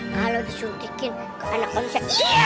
kalau disuntikin ke anak konsep